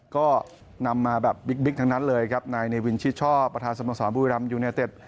ก็นำมาแบบบิ๊กทั้งนั้นเลยครับนายเนวินชิชช่อประธานสมสรรพุทธวิทยาลัมน์ยูเนียเต็ด